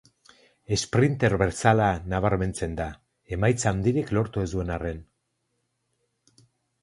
Esprinter bezala nabarmentzen da, emaitza handirik lortu ez duen arren.